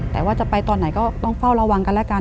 แต่ว่าจะไปตอนไหนก็ต้องเฝ้าระวังกันแล้วกัน